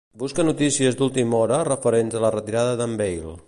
Busca notícies d'última hora referents a la retirada d'en Bale.